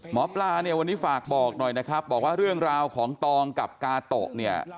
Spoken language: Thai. หมอปลาเนี่ยวันนี้ฝากบอกหน่อยนะครับบอกว่าเรื่องราวของตองกับกาโตะเนี่ย